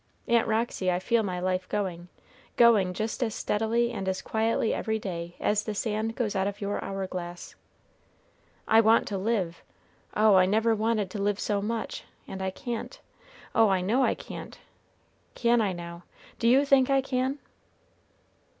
Aunt Roxy, I feel my life going, going just as steadily and as quietly every day as the sand goes out of your hour glass. I want to live, oh, I never wanted to live so much, and I can't, oh, I know I can't. Can I now, do you think I can?"